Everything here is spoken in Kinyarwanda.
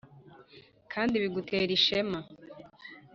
kandi bigutera ishema,